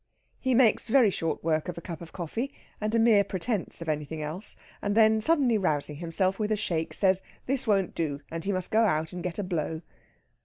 He makes very short work of a cup of coffee, and a mere pretence of anything else; and then, suddenly rousing himself with a shake, says this won't do, and he must go out and get a blow.